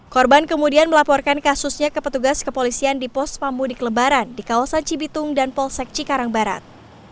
korban kemudian melaporkan kasusnya ke petugas kepolisian di pos pambu di kelebaran di kawasan cibitung dan polsekci karangbarat